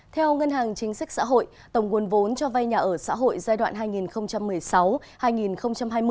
theo ngân hàng chính sách xã hội tổng nguồn vốn cho vay nhà ở xã hội giai đoạn hai nghìn một mươi sáu hai nghìn hai mươi